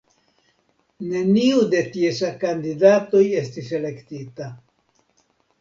Neniu de ties kandidatoj estis elektita.